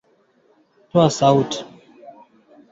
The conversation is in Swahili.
tumemaliza kuandika